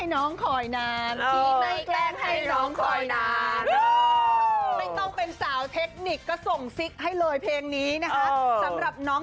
น้องเป็นสาวแกงแดง